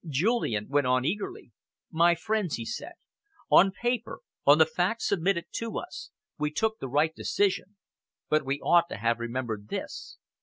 Julian went on eagerly. "My friends," he said, "on paper, on the facts submitted to us, we took the right decision, but we ought to have remembered this.